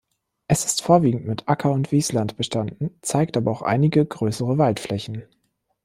Es ist vorwiegend mit Acker- und Wiesland bestanden, zeigt aber auch einige größere Waldflächen.